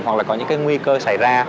hoặc là có những cái nguy cơ xảy ra